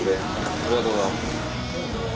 ありがとうございます。